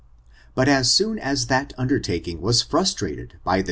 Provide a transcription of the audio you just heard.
But as soon as that undertaking was frustrated by the